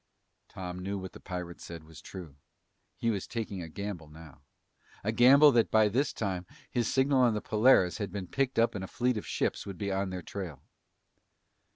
Tom knew what the pirate said was true. He was taking a gamble now. A gamble that by this time his signal on the Polaris had been picked up and a fleet of ships would be on their trail.